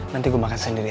nanti gue makan sendiri aja